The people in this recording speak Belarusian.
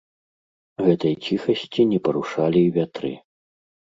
Гэтай ціхасці не парушалі і вятры.